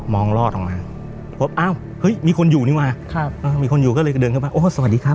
รอดออกมาพบอ้าวเฮ้ยมีคนอยู่นี่ว่ะครับมีคนอยู่ก็เลยเดินเข้าไปโอ้สวัสดีครับ